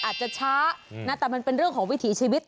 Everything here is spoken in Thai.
อาจจะช้านะแต่มันเป็นเรื่องของวิถีชีวิต